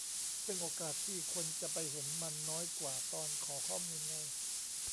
ซึ่งโอกาสที่คนจะไปเห็นมันน้อยกว่าตอนขอข้อมูลไง